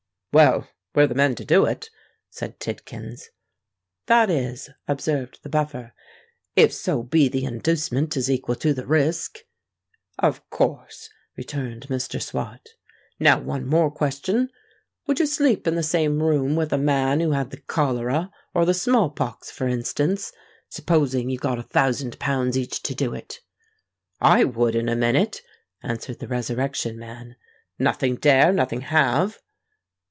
"Well—we're the men to do it," said Tidkins. "That is," observed the Buffer, "if so be the inducement is equal to the risk." "Of course," returned Mr. Swot. "Now one more question:—would you sleep in the same room with a man who had the cholera or the small pox, for instance—supposing you got a thousand pounds each to do it?" "I would in a minute," answered the Resurrection Man. "Nothing dare, nothing have."